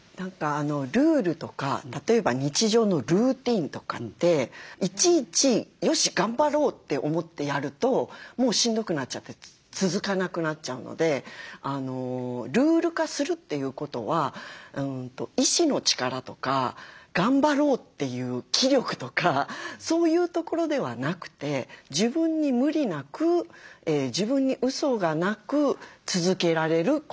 ルールとか例えば日常のルーティンとかっていちいち「よし頑張ろう」って思ってやるともうしんどくなっちゃって続かなくなっちゃうのでルール化するということは意志の力とか頑張ろうという気力とかそういうところではなくて自分に無理なく自分にうそがなく続けられることだと思うんですよ。